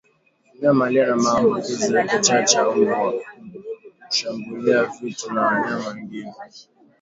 Mnyama aliye na maambukizi ya kichaa cha mbwa hushambulia vitu na wanyama wengine